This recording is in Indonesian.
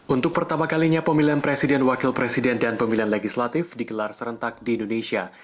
untuk pertama kalinya pemilihan presiden wakil presiden dan pemilihan legislatif digelar serentak di indonesia